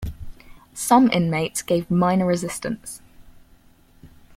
Some inmates gave minor resistance.